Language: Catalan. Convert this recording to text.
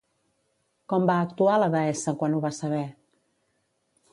Com va actuar la deessa quan ho va saber?